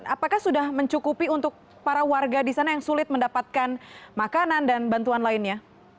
apakah sudah mencukupi untuk para warga di sana yang sulit mendapatkan makanan dan bantuan lainnya